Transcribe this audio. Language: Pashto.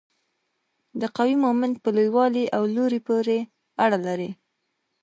د قوې مومنت په لوی والي او لوري پورې اړه لري.